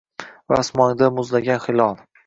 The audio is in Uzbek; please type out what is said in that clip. Va osmonda muzlagan hilol